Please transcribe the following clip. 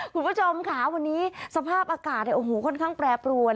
คุณผู้ชมค่ะวันนี้สภาพอากาศค่อนข้างแปรปรวน